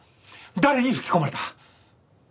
誰に吹き込まれた？